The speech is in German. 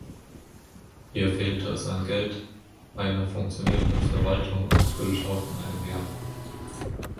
Ihr fehlte es an Geld, einer funktionierenden Verwaltung und natürlich auch an einem Heer.